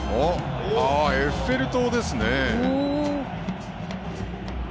エッフェル塔ですね。